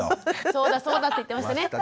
そうだそうだって言ってましたね。